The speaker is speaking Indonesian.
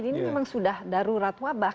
ini memang sudah darurat wabah